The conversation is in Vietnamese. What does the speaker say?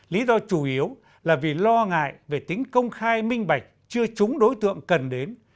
lý do chủ yếu là vì lo ngại về tính công khai minh bạch chưa chúng đối tượng cần đến